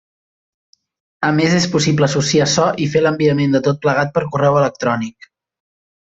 A més és possible associar so i fer l'enviament de tot plegat per correu electrònic.